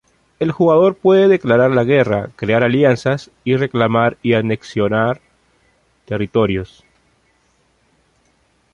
El jugador puede declarar la guerra, crear alianzas, y reclamar y anexionar territorios.